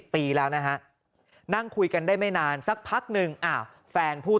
ปีแล้วนะฮะนั่งคุยกันได้ไม่นานสักพักหนึ่งแฟนพูด